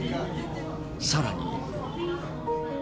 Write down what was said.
さらに。